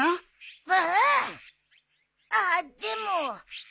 あっでも。